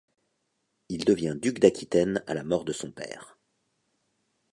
Il devient duc d'Aquitaine à la mort de son père.